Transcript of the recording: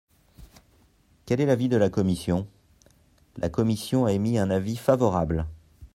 Quel est l’avis de la commission ? La commission a émis un avis favorable.